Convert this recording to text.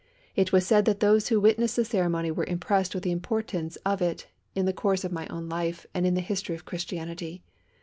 It was said that those who witnessed the ceremony were impressed with the importance of it in the course of my own life and in the history of Christianity.